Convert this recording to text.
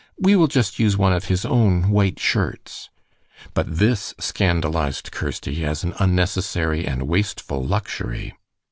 "We will just use one of his own white shirts." But this scandalized Kirsty as an unnecessary and wasteful luxury.